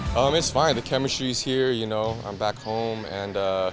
tidak apa apa kemisi di sini saya kembali ke rumah